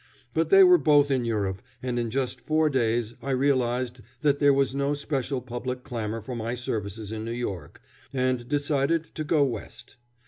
But they were both in Europe, and in just four days I realized that there was no special public clamor for my services in New York, and decided to go West.